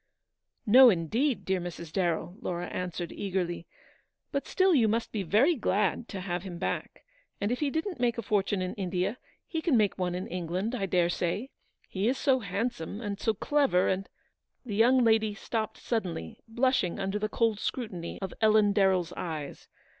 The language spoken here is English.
"No, indeed, dear Mrs. Darrell," Laura an swered, eagerly; "but still you must be very glad to have him back : and if he didn't make a fortune in India, he can make one in England, I dare say. He is so handsome, and so clever, and— " The young lady stopped suddenly, blushing under the cold scrutiny of Ellen DarrelFs eyes.